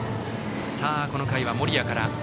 さあ、この回は森谷から。